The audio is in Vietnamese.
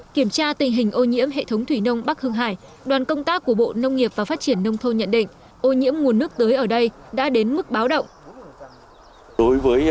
kiểm tra tình hình ô nhiễm hệ thống thủy nông bắc hưng hải đoàn công tác của bộ nông nghiệp và phát triển nông thôn nhận định ô nhiễm nguồn nước tưới ở đây đã đến mức báo động